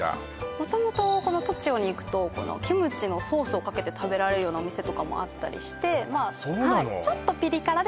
元々栃尾に行くとキムチのソースをかけて食べられるようなお店とかもあったりしてあっそうなの？